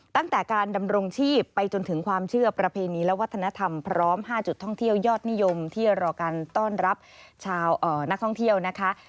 ตั้งแต่การดำรงชีพไปจนถึงความเชื่อประเพณีและวัฒนธรรมพร้อม๕จุดท่องเที่ยวยอดนิยมที่รอการต้อนรับชาวนักท่องเที่ยวนะคะ